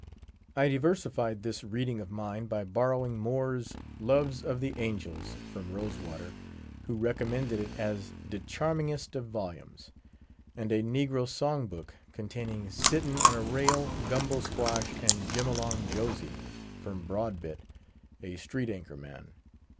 I diversified this reading of mine, by borrowing Moore's "Loves of the Angels" from Rose water, who recommended it as "de charmingest of volumes;" and a Negro Song book, containing Sittin' on a Rail, Gumbo Squash, and Jim along Josey, from Broadbit, a sheet anchor man.